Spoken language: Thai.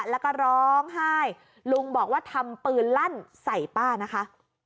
แล้วก็ร้องไห้ลุงบอกว่าทำปืนลั่นใส่ป้านะคะ